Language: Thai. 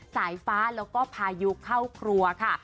สายฟ้าแล้วก็พายุเข้าครัวค่ะ